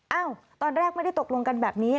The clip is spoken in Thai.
ตอนแรกไม่ได้ตกลงกันแบบนี้